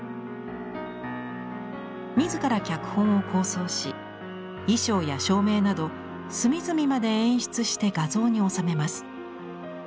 自ら脚本を構想し衣装や照明など隅々まで演出して画像に収めます。